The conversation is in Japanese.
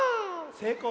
せいこう。